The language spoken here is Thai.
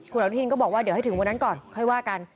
คุณอนุทินก็บอกว่าเดี๋ยวให้ถึงวันนั้นก่อนค่อยว่ากัน